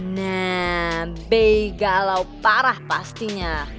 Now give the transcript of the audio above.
nah begalau parah pastinya